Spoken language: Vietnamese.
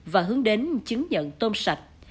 và hướng đến chứng nhận tôm sạch